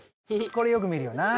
これよく見るよな。